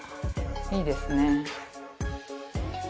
いいですね。